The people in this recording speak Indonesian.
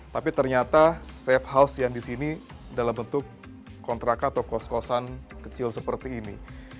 tapi ternyata safe house yang disini dalam bentuk kontraka atau kos kosan kecil seperti ini